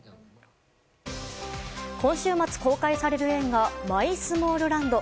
今週末公開される映画「マイスモールランド」。